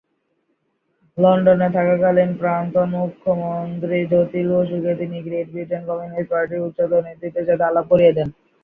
লন্ডনে থাকাকালীন প্রাক্তন মুখ্যমন্ত্রী জ্যোতি বসুকে তিনি গ্রেট ব্রিটেন কমিউনিস্ট পার্টির উচ্চতর নেতৃত্বের সাথে আলাপ করিয়ে দেন।